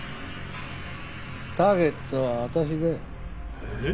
ターゲットは私だよ。